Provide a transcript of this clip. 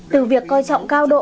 từ việc coi trọng cao độ